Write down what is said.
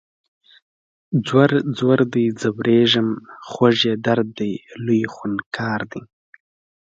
ځور، ځور دی ځوریږم خوږ یم درد یې لوی خونکار دی